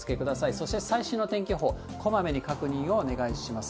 そして最新の天気予報、こまめに確認をお願いします。